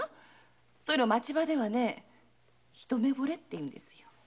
そういうの町場では“一目惚れ”っていうんです。